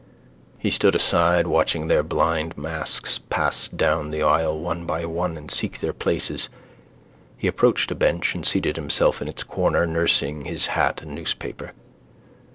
He stood aside watching their blind masks pass down the aisle, one by one, and seek their places. He approached a bench and seated himself in its corner, nursing his hat and newspaper.